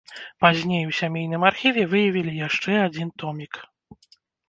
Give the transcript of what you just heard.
Пазней у сямейным архіве выявілі яшчэ адзін томік.